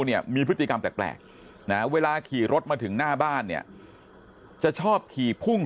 เนี่ยมีพฤติกรรมแปลกนะเวลาขี่รถมาถึงหน้าบ้านเนี่ยจะชอบขี่พุ่ง